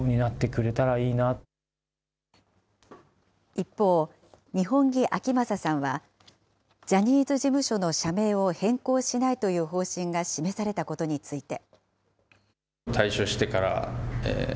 一方、二本樹顕理さんは、ジャニーズ事務所の社名を変更しないという方針が示されたことについて。